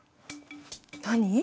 何？